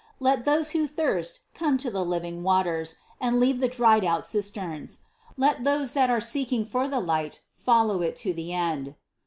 Let those who thirst come to the living waters and leave the dried out cisterns ; let those that are seeking for the light, follow it to the end.